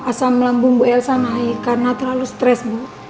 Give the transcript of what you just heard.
asam lambung bu elsa naik karena terlalu stres bu